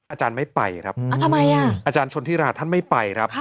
อาจารย์ไม่ไปครับอาจารย์ชนธิราท่านไม่ไปครับ